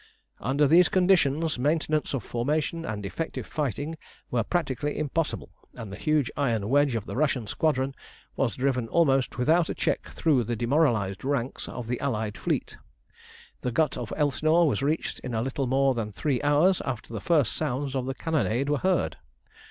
Under these conditions maintenance of formation and effective fighting were practically impossible, and the huge iron wedge of the Russian squadron was driven almost without a check through the demoralised ranks of the Allied fleet. The Gut of Elsinore was reached in a little more than three hours after the first sounds of the cannonade were heard.